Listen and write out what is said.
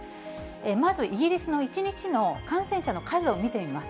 まずイギリスの１日の感染者の数を見てみます。